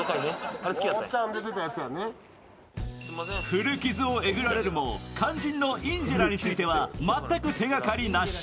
古傷をえぐられるも、肝心のインジェラについては全く手がかりなし。